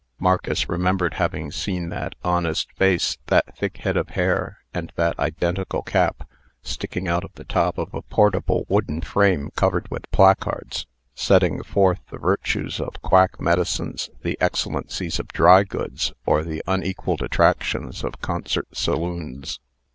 Marcus remembered having seen that honest face, that thick head of hair, and that identical cap, sticking out of the top of a portable wooden frame covered with placards, setting forth the virtues of quack medicines, the excellencies of dry goods, or the unequalled attractions of concert saloons.